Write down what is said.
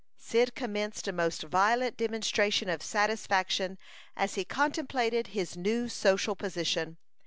Cyd commenced a most violent demonstration of satisfaction as he contemplated his new social position.